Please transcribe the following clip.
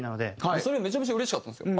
それめちゃめちゃうれしかったんですよ。